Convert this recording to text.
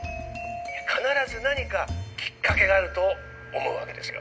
必ず何かきっかけがあると思う訳ですよ。